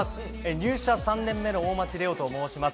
入社３年目の大町怜央と申します。